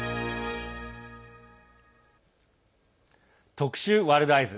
特集「ワールドＥＹＥＳ」。